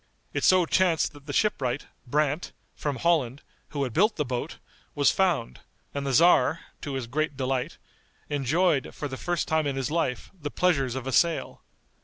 It so chanced that the shipwright, Brandt, from Holland, who had built the boat, was found, and the tzar, to his great delight, enjoyed, for the first time in his life, the pleasures of a sail.